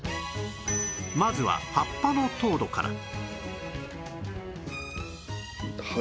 まずは葉っぱの糖度は８